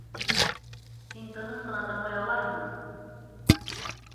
Һин тыныс ҡына тыңлай алаһыңмы?